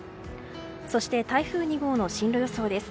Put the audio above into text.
そして、台風２号の進路予想です。